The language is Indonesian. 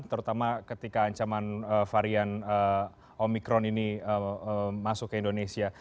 terutama ketika ancaman varian omikron ini masuk ke indonesia